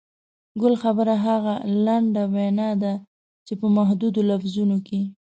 ګل خبره هغه لنډه وینا ده چې په محدودو لفظونو کې.